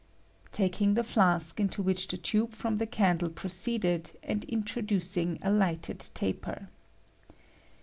[Taking the flaak into I which the tube from the candle proceeded, and L introducing a lighted taper.